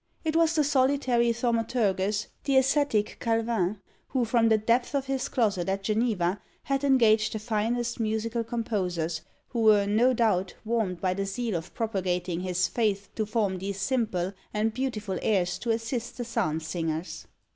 It was the solitary Thaumaturgus, the ascetic Calvin, who from the depths of his closet at Geneva had engaged the finest musical composers, who were, no doubt, warmed by the zeal of propagating his faith to form these simple and beautiful airs to assist the psalm singers.